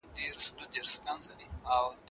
هغه د ورځنيو چارو د سمون لپاره دوامداره څارنه لرله.